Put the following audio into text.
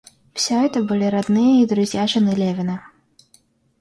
Всё это были родные и друзья жены Левина.